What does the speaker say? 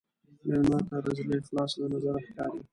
مېلمه ته د زړه اخلاص له نظره ښکاري.